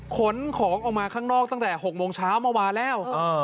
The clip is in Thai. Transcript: ขนของออกมาข้างนอกตั้งแต่๖โมงเช้าเมื่อวานแล้ว